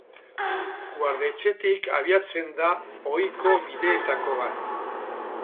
Guardetxetik abiatzen da ohiko bideetako bat.